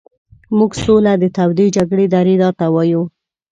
موږ سوله د تودې جګړې درېدا ته وایو.